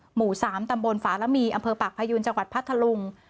หมู่๓ตำบลฝาระมีอำเภอปากพยูนจังหวัดพัทธลุง